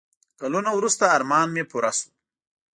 کلونه وروسته ارمان مې پوره شو.